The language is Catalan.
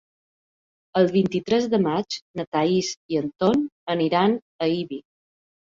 El vint-i-tres de maig na Thaís i en Ton aniran a Ibi.